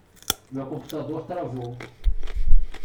Meu computador travou.